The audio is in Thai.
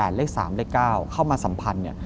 แต่เลข๓เลข๙เข้ามาสัมพันธ์เนี่ย